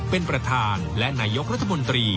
เป็นประธานและนายกรัฐมนตรี